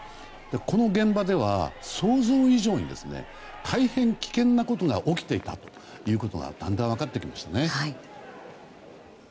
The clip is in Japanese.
この現場では想像以上に大変危険なことが起きていたということがだんだん分かってきましたね。